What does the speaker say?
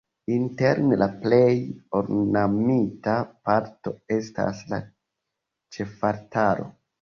Interne la plej ornamita parto estas la ĉefaltaro.